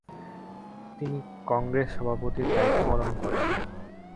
তিনি কংগ্রেস সভাপতির দায়িত্ব পালন করেন।